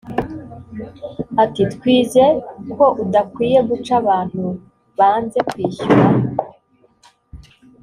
Ati “Twize ko udakwiye guca abantu banze kwishyura